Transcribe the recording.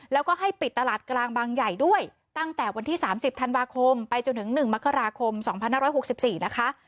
แล้วก็ให้ปิดตลาดกลางบางใหญ่ด้วยตั้งแต่วันที่สามสิบธันวาคมไปจนถึงหนึ่งมกราคมสองพันห้าร้อยหกสิบสี่นะคะ